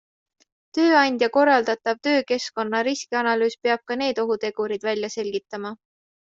Tööandja korraldatav töökeskkonna riskianalüüs peab ka need ohutegurid välja selgitama.